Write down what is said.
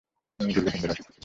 তিনি দীর্ঘদিন ধরে অসুস্থ ছিলেন।